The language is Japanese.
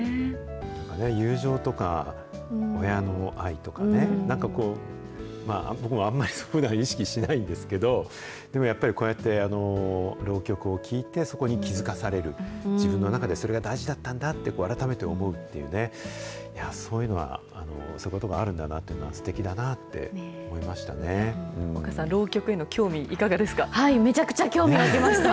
友情とか親の愛とかね、僕もあんまりそういうのは意識しないんですけど、でもやっぱりこうやって浪曲を聴いて、そこに気付かされる、自分の中でそれが大事だったんだって、改めて思うっていうね、そういうのは、そういうことがあるんだなということはすてきだなっ丘さん、浪曲への興味、いかめちゃくちゃ興味ありました。